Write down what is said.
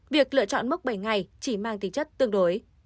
việc lựa chọn mốc bảy ngày chỉ mang tính chất tương đối